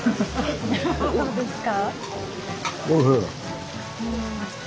どうですか？